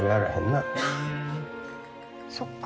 そっか